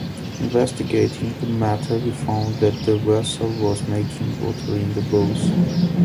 Investigating the matter he found that the vessel was making water in the bows.